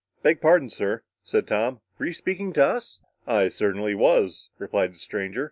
"Beg pardon, sir," said Tom, "were you speaking to us?" "I certainly was," replied the stranger.